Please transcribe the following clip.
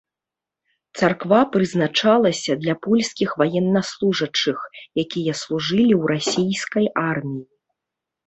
Царква прызначалася для польскіх ваеннаслужачых, якія служылі ў расійскай арміі.